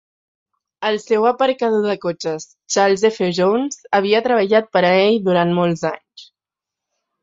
El seu aparcador de cotxes, Charles F. Jones, havia treballat per a ell durant molts anys.